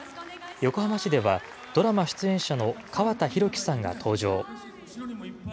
横浜市では、ドラマ出演者の川田広樹さんが登場。